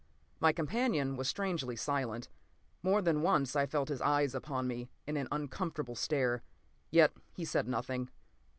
My companion was strangely silent. More than once I felt his eyes upon me in an uncomfortable stare, yet he said nothing.